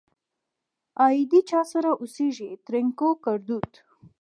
آئيدې چا سره اوسيږ؛ ترينو ګړدود